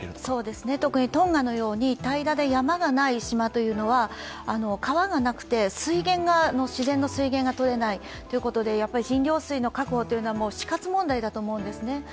トンガのように平らで山が多い島というのは川がなくて、自然の水源がとれないということで、飲料水の確保というのは死活問題だと思うんですね。